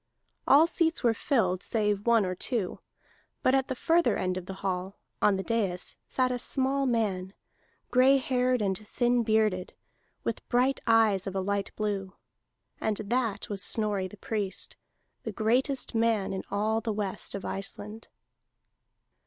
All seats were filled save one or two. But at the further end of the hall, on the dais, sat a small man, gray haired and thin bearded, with bright eyes of a light blue. And that was Snorri the Priest, the greatest man in all the west of Iceland.